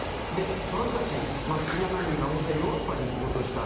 この人たち、シリア難民が大勢ヨーロッパに行こうとした。